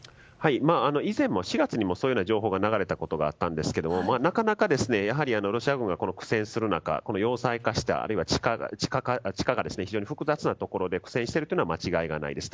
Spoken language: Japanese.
以前、４月にもそういう情報が流れたことがあったんですがなかなかロシア軍が苦戦する中、要塞化したあるいは地下が非常に複雑なところで苦戦しているのは間違いないです。